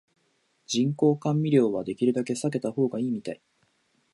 人工甘味料はできるだけ避けた方がいいみたい